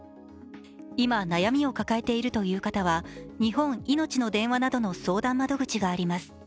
今悩みを抱えているという方は日本いのちの電話などの相談窓口があります